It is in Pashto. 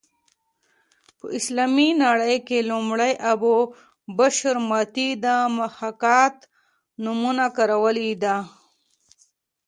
په اسلامي نړۍ کې لومړی ابو بشر متي د محاکات نومونه کارولې ده